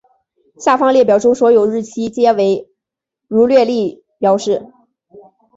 下方列表中所有日期皆以儒略历表示。